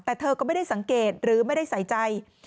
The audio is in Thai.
แต่เธอก็ไม่ได้สังเกตหรือไม่ได้ใส่ใจ